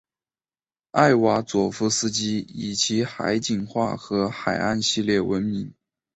艾瓦佐夫斯基以其海景画和海岸系列闻名。